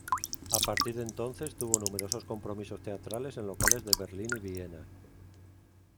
A partir de entonces tuvo numerosos compromisos teatrales en locales de Berlín y Viena.